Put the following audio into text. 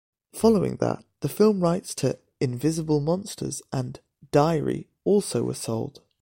Following that, the film rights to "Invisible Monsters" and "Diary" also were sold.